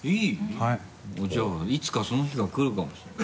じゃあいつかその日が来るかもしれない。